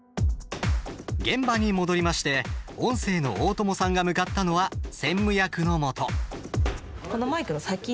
現場に戻りまして音声の大友さんが向かったのは専務役のもと。